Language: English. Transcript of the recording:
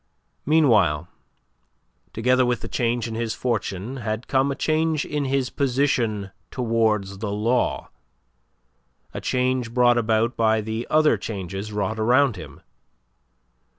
Meanwhile together with the change in his fortune had come a change in his position towards the law, a change brought about by the other changes wrought around him.